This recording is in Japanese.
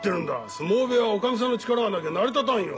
相撲部屋はおかみさんの力がなきゃ成り立たんよ。